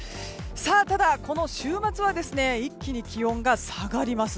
ただ、この週末は一気に気温が下がります。